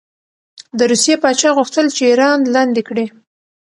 د روسیې پاچا غوښتل چې ایران لاندې کړي.